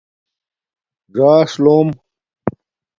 ژاݽ لوم